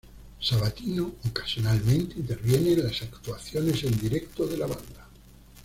Sabatino ocasionalmente interviene en las actuaciones en directo de la banda.